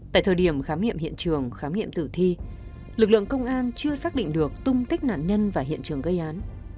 tại thời điểm khám nghiệm hiện trường khám nghiệm tử thi lực lượng công an chưa xác định được tung tích nạn nhân và hiện trường gây án